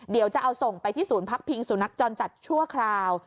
เดี๋ยวจะเอาส่งไปที่ภักพิงศูนย์นักจรจัดชั่วคราว